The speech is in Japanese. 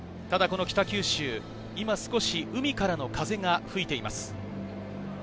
この北九州、今少し海からの風が吹いています。